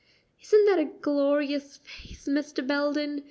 "Isn't that a glorious face, Mr. Belden?"